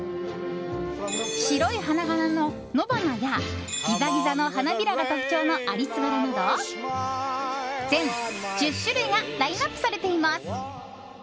白い花柄の野ばなやギザギザな花びらが特徴のアリス柄など全１０種類がラインアップされています。